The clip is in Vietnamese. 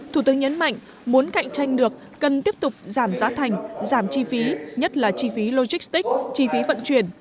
thủ tướng nhấn mạnh muốn cạnh tranh được cần tiếp tục giảm giá thành giảm chi phí nhất là chi phí logistics chi phí vận chuyển